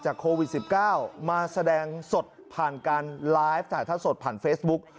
โควิด๑๙มาแสดงสดผ่านการไลฟ์ถ่ายทอดสดผ่านเฟซบุ๊ก